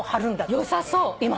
よさそう。